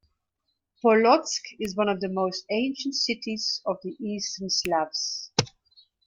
Polotsk is one of the most ancient cities of the Eastern Slavs.